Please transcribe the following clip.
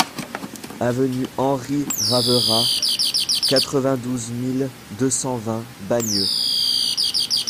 Avenue Henri Ravera, quatre-vingt-douze mille deux cent vingt Bagneux